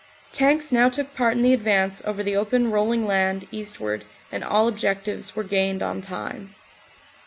Tanks now took part in the advance over the open roll ing land eastward and all objectives were gained on time.